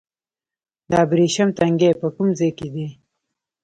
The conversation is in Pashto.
د ابریشم تنګی په کوم ځای کې دی؟